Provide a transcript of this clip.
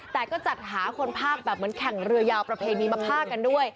แต่ก็จัดหาคนภาคแบบเหมือนแข่งเรือยาวประเพณีมาภาคกันด้วย